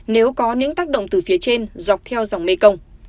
nếu có những tác động từ phía trên dọc theo dòng mê công